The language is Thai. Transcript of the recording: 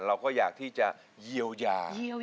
เราก็อยากที่จะเยียวยา